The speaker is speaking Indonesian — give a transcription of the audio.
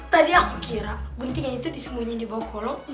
tadi aku kira guntingnya itu disembunyiin di bawah kolong